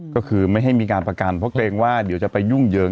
ก็คือไม่ให้มีการประกันเพราะเกรงว่าเดี๋ยวจะไปยุ่งเยิง